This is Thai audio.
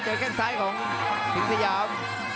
เจอแค่ซ้ายของถึงสยาม